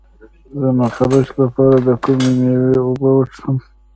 د نقرس لپاره د کومې میوې اوبه وڅښم؟